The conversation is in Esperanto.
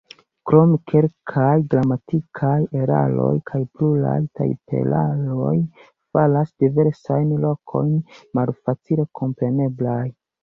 Krome, kelkaj gramatikaj eraroj kaj pluraj tajperaroj faras diversajn lokojn malfacile kompreneblaj.